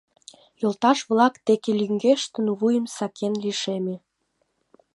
Йолташ-влак деке лӱҥгештын, вуйым сакен лишеме.